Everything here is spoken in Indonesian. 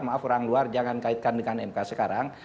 maaf orang luar jangan kaitkan dengan mk sekarang